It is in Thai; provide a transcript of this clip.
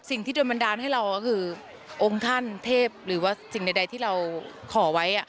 สิ่งที่โดนบันดาลให้เราก็คือองค์ท่านเทพหรือว่าสิ่งใดที่เราขอไว้